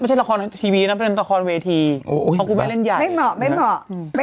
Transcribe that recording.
ไม่ใช่ละครทีวีนะเป็นละครเวทีคุณไม่เล่นใหญ่ไม่เหมาะไม่เหมาะ